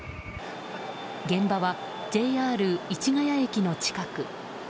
現場はＪＲ市ヶ谷駅の近く。